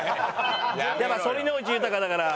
やっぱ反り野内豊だから。